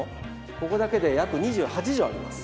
ここだけで約２８帖あります。